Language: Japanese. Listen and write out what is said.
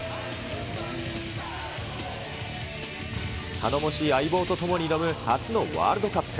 頼もしい相棒と共に挑む初のワールドカップ。